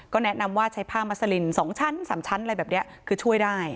แนะนำว่าใช้ผ้ามัสลิน๒ชั้น๓ชั้นอะไรแบบนี้คือช่วยได้